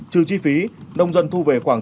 trừ chi phí nông dân thu về khoảng